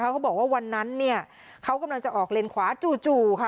เขาบอกว่าวันนั้นเขากำลังจะออกเลนขวาจู่ค่ะ